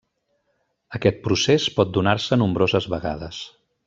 Aquest procés pot donar-se nombroses vegades.